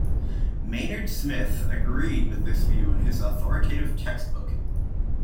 Maynard Smith agreed with this view in his authoritative textbook.